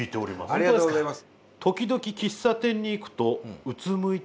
ありがとうございます。